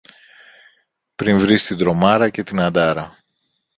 πριν βρεις την Τρομάρα και την Αντάρα.